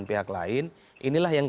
pihak lain inilah yang